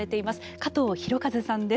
加藤博和さんです。